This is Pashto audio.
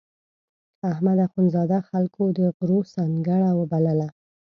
احمد اخوندزاده خلکو د غرو سنګړه بلله.